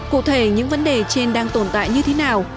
cụ thể những vấn đề trên đang tồn tại như thế nào